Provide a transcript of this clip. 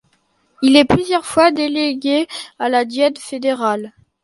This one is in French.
Il est plusieurs fois délégué à la Diète fédérale.